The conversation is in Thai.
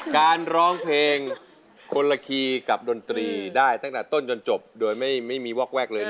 การร้องเพลงคนละคีย์กับดนตรีได้ตั้งแต่ต้นจนจบโดยไม่มีวอกแวกเลย